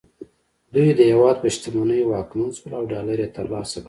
دوی د هېواد په شتمنیو واکمن شول او ډالر یې ترلاسه کړل